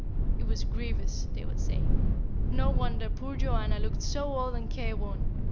"It was grievous," they would say. "No wonder poor Joanna looked so old and careworn!